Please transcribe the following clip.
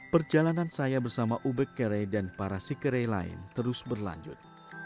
perjalanan saya bersama ubek kere dan para sikere lain terus berlanjut